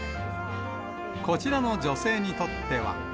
こちらの女性にとっては。